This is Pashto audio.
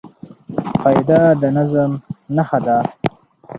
قاعده د نظم نخښه ده.